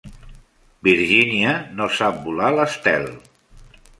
Virginia no sap volar l'estel.